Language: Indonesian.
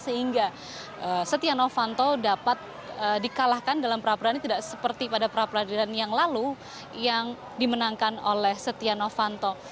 sehingga setia novanto dapat dikalahkan dalam peradilan ini tidak seperti pada pra peradilan yang lalu yang dimenangkan oleh setia novanto